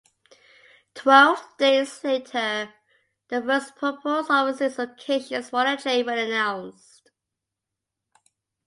Twelve days later the first proposed overseas locations for the chain were announced.